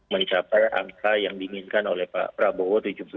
mencapai angka yang diinginkan oleh pak prabowo